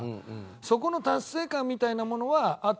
そこの達成感みたいなものはあって。